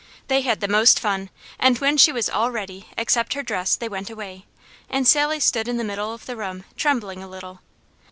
They had the most fun, and when she was all ready except her dress they went away, and Sally stood in the middle of the room trembling a little.